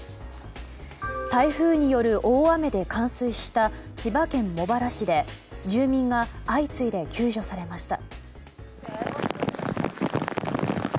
台風による大雨で冠水した千葉県茂原市で住民が相次いで救助されました。